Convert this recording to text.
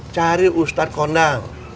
cari ustadz kondang